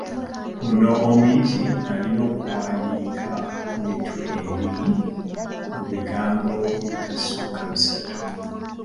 Muno omuyizi alina okuwandiika ku mitwe ebiri mu bigambo ebitasukka bisatu.